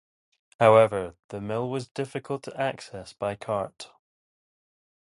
However, the mill was difficult to access by cart.